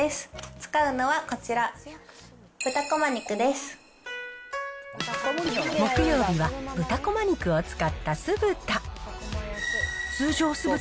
使うのはこちら、木曜日は、豚コマ肉を使った酢豚。